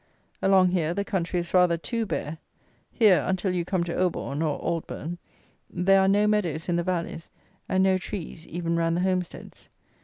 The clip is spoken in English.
Along here, the country is rather too bare: here, until you come to Auborne, or Aldbourne, there are no meadows in the valleys, and no trees, even round the homesteads.